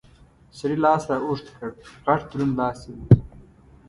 سړي لاس را اوږد کړ، غټ دروند لاس یې و.